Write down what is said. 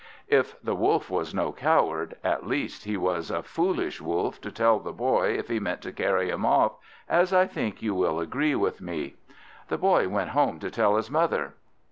If the Wolf was no coward, at least he was a foolish Wolf to tell the Boy if he meant to carry him off, as I think you will agree with me. The Boy went home to tell his mother.